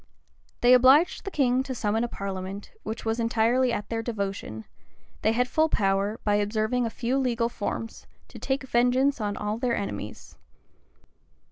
They obliged the king to summon a parliament, which was entirely at their devotion, they had full power, by observing a few legal forms, to take vengeance on all their enemies.